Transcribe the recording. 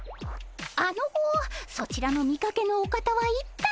あのそちらの見かけぬお方は一体？